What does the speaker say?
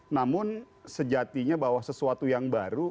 namun sejatinya bahwa sesuatu yang baru